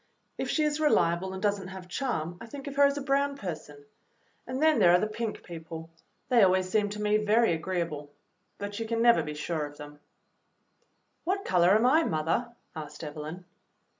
If she is reliable and does n't have charm, I think of her as a brown person. And then there are the pink people: they always seem to me very agreeable, but you can never be sure of them." EVELYN'S WAR WORK 45 "What color am I, mother?" asked Evelyn.